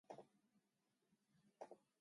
ラダック連邦直轄領の首府はレーである